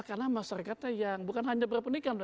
karena masyarakatnya yang bukan hanya berpunyikan